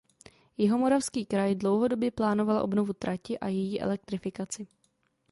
Jihomoravský kraj dlouhodobě plánoval obnovu trati a její elektrifikaci.